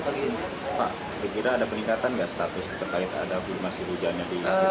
pak dikira ada peningkatan status di bendung katulampa